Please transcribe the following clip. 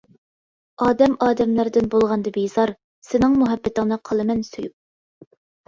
ئادەم ئادەملەردىن بولغاندا بىزار، سېنىڭ مۇھەببىتىڭنى قالىمەن سۆيۈپ.